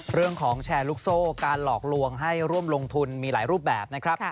เรื่องของแชร์ลูกโซ่การหลอกลวงให้ร่วมลงทุนมีหลายรูปแบบนะครับ